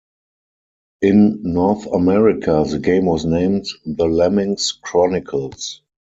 In North America, the game was named The Lemmings Chronicles.